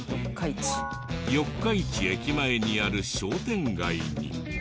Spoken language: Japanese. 四日市駅前にある商店街に。